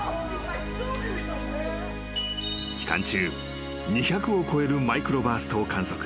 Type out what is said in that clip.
［期間中２００を超えるマイクロバーストを観測］